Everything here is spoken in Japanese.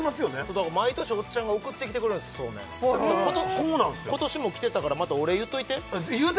だから毎年おっちゃんが送ってきてくれるんですそうめん今年も来てたからまたお礼言っといて言うて！